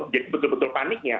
jadi betul betul paniknya